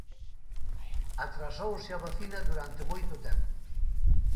Atrasouse a vacina durante moito tempo.